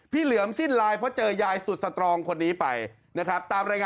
พี่เหลื่อมสิ้นลายเพราะเจอยายสุดสตรองคนนี้ไปนะครับ